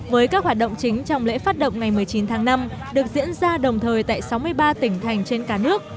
với các hoạt động chính trong lễ phát động ngày một mươi chín tháng năm được diễn ra đồng thời tại sáu mươi ba tỉnh thành trên cả nước